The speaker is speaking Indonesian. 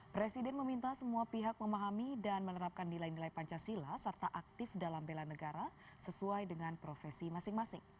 presiden meminta semua pihak memahami dan menerapkan nilai nilai pancasila serta aktif dalam bela negara sesuai dengan profesi masing masing